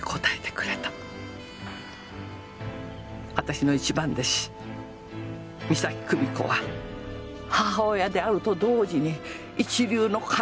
私の一番弟子岬久美子は母親であると同時に一流の鑑定人でもある。